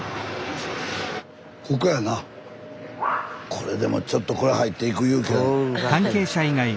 これでもちょっとこれ入っていく勇気は。